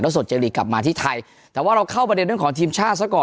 ร่วมสดเจลีกกลับมาที่ไทยแต่ว่าเราเข้าประเด็นของทีมชาติสักก่อน